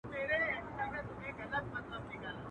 دلته جنګونه کیږي.